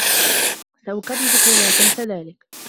سأكرّر كي لا تنسى ذلك.